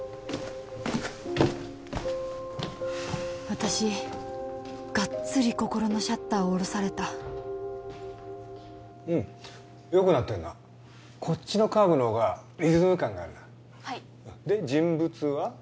私がっつり心のシャッターを下ろされたうんよくなってるなこっちのカーブのほうがリズム感があるはいで人物は？